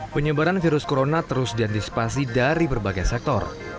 penyebaran virus corona terus diantisipasi dari berbagai sektor